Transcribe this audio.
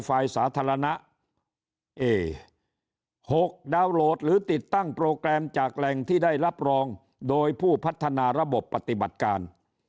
ฝ่ายสาธารณะ๖ดาวน์โหลดหรือติดตั้งโปรแกรมจากแหล่งที่ได้รับรองโดยผู้พัฒนาระบบปฏิบัติการ